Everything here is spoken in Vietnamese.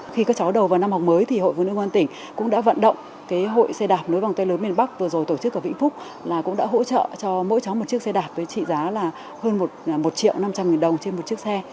khi các cháu đầu vào năm học mới thì hội phụ nữ công an tỉnh cũng đã vận động hội xe đạp nối vòng tay lớn miền bắc vừa rồi tổ chức ở vĩnh phúc là cũng đã hỗ trợ cho mỗi cháu một chiếc xe đạp với trị giá là hơn một triệu năm trăm linh nghìn đồng trên một chiếc xe